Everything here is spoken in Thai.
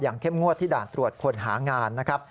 เข้มงวดที่ด่านตรวจคนหางานนะครับ